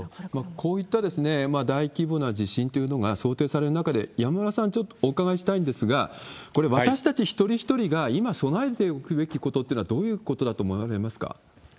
こういった大規模な地震というのが想定される中で、山村さん、ちょっとお伺いしたいんですが、これ、私たち一人一人が今備えておくべきことっていうのは、どういうことだと思われますか。